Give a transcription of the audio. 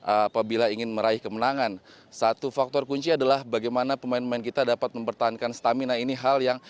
apabila ingin meraih kemenangan satu faktor kunci adalah bagaimana pemain pemain kita